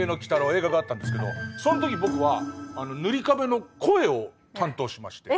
映画があったんですけどそんとき僕はぬりかべの声を担当しまして。